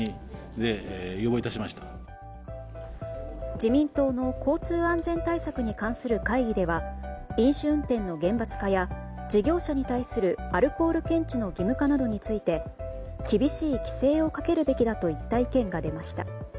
自民党の交通安全対策に関する会議では飲酒運転の厳罰化や事業者に対するアルコール検知の義務化などについて厳しい規制をかけるべきだといった意見が出ました。